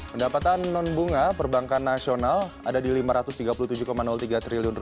pendapatan non bunga perbankan nasional ada di rp lima ratus tiga puluh tujuh tiga triliun